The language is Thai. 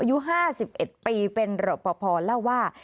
อยู่ห้าสิบเอ็ดปีเป็นรปภเล่าว่า